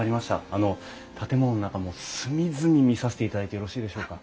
あの建物の中も隅々見させていただいてよろしいでしょうか？